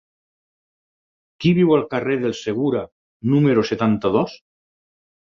Qui viu al carrer del Segura número setanta-dos?